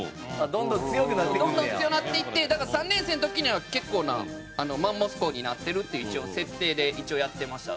どんどん強なっていってだから３年生の時には結構なマンモス校になってるっていう設定で一応やってました。